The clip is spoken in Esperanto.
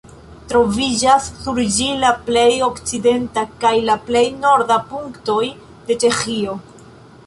Troviĝas sur ĝi la plej okcidenta kaj la plej norda punktoj de Ĉeĥio.